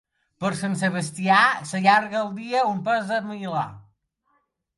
Per Sant Sebastià s'allarga el dia un pas de milà.